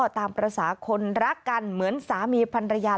ตามภาษาคนรักกันเหมือนสามีพันรยา